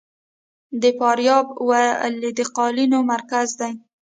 فاریاب ولې د قالینو مرکز دی؟